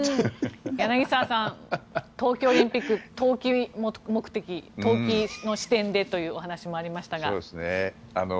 柳澤さん冬季オリンピック、投機目的投機の視点でというお話もありましたが。